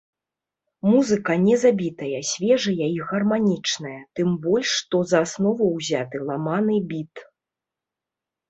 Музыка не забітая, свежая і гарманічная, тым больш, што за аснову ўзяты ламаны біт.